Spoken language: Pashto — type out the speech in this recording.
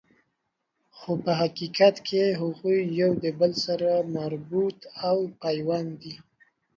خو په حقیقت کی هغوی یو د بل سره مربوط او پیوند دي